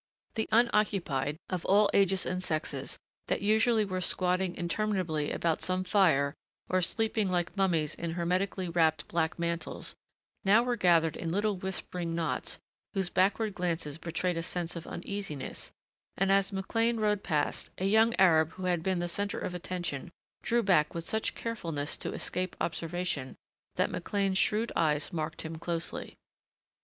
The unoccupied, of all ages and sexes, that usually were squatting interminably about some fire or sleeping like mummies in hermetically wrapped black mantles, now were gathered in little whispering knots whose backward glances betrayed a sense of uneasiness, and as McLean rode past, a young Arab who had been the center of attention drew back with such carefulness to escape observation that McLean's shrewd eyes marked him closely.